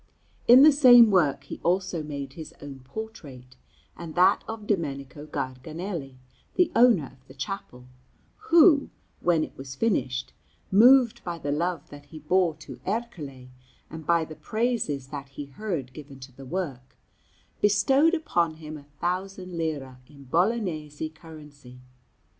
In the same work he also made his own portrait, and that of Domenico Garganelli, the owner of the chapel, who, when it was finished, moved by the love that he bore to Ercole and by the praises that he heard given to the work, bestowed upon him a thousand lire in Bolognese currency.